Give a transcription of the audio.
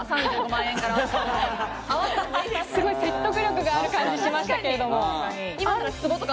説得力がある感じしましたけれど。